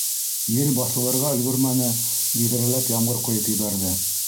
Ел баҫылырға өлгөрмәне, биҙрәләп ямғыр ҡойоп ебәрҙе.